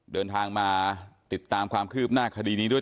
เดินทางมาติดตามความคืบหน้าคดีนี้ด้วย